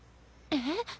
えっ？